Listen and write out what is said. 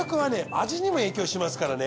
味にも影響しますからね。